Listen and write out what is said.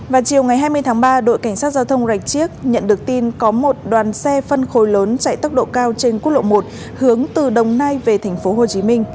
vào chiều ngày hai mươi tháng ba đội cảnh sát giao thông rạch chiếc nhận được tin có một đoàn xe phân khối lớn chạy tốc độ cao trên quốc lộ một hướng từ đồng nai về tp hcm